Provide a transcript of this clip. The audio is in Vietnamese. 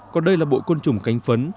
còn đây là bộ côn trùng cánh phấn